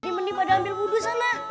mending mending pada ambil budu sana